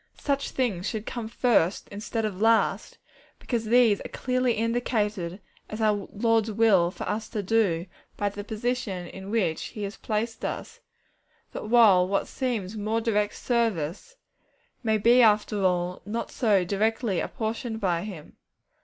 Such things should come first instead of last, because these are clearly indicated as our Lord's will for us to do, by the position in which He has placed us; while what seems more direct service, may be after all not so directly apportioned by Him.